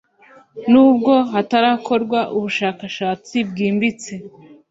nubwo hatarakorwa ubushakashatsi bwimbitse,